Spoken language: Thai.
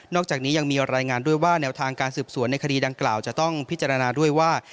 อกจากนี้ยังมีรายงานด้วยว่าแนวทางการสืบสวนในคดีดังกล่าวจะต้องพิจารณาด้วยว่า